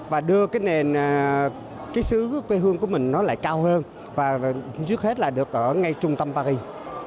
và đưa cái nền cái sứ quê hương của mình nó lại cao hơn và trước hết là được ở ngay trung tâm paris